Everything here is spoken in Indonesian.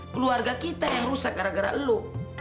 keluarga kita yang rusak gara gara lu